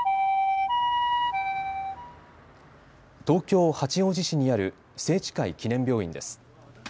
東京八王子市にある清智会記念病院です。